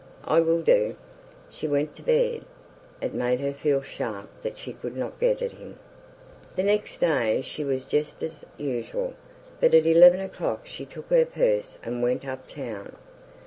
"I will do." She went to bed. It made her feel sharp that she could not get at him. The next day, she was just as usual. But at eleven o'clock she took her purse and went up town.